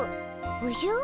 おじゃ？